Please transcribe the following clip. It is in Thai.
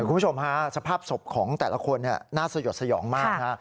คุณผู้ชมฮะสภาพศพของแต่ละคนน่าสยดสยองมากนะฮะ